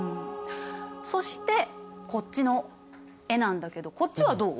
そしてこっちの絵なんだけどこっちはどう？